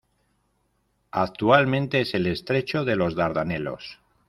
Actualmente es el estrecho de los Dardanelos.